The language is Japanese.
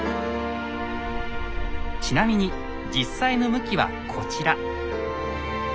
ちなみに実際の向きはこちら。